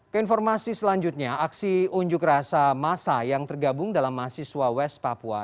keinformasi selanjutnya aksi unjuk rasa masa yang tergabung dalam mahasiswa west papua